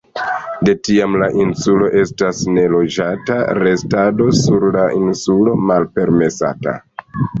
De tiam la insulo estas neloĝata, restado sur la insulo malpermesata.